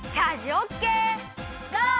ゴー！